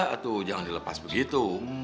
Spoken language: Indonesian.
atau jangan dilepas begitu